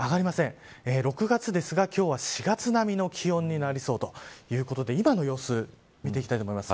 ６月ですが今日は４月並みの気温になりそうということで今の様子見ていきたいと思います。